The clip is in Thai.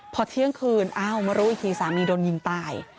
พอเที่ยงคืนอ้าวมารู้อีกทีสามีโดนยิงตาย